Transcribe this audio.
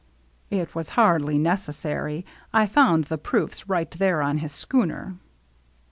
" It was hardly necessary. I found the proofs right there on his schooner."